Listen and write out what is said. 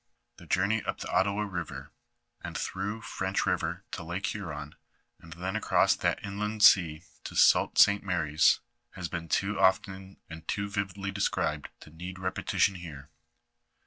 The jonrney np the Ot tawa river, and through Fr .li river to Lake Huron, and then acroes that inland sea to Sault St. Mary's, has been too often and too vividly described to need repetition here.